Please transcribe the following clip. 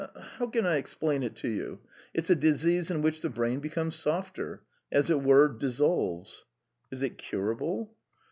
"How can I explain it to you? ... It's a disease in which the brain becomes softer ... as it were, dissolves." "Is it curable?"